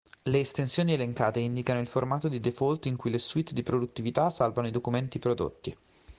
Le estensioni elencate indicano il formato di default in cui le suite di produttività salvano i documenti prodotti.